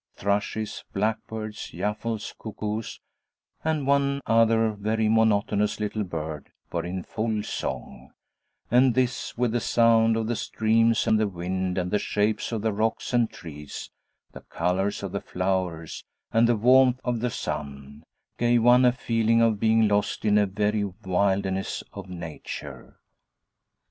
Thrushes, blackbirds, yaffles, cuckoos, and one other very monotonous little bird were in full song; and this, with the sound of the streams and the wind, and the shapes of the rocks and trees, the colors of the flowers, and the warmth of the sun, gave one a feeling of being lost in a very wilderness of nature.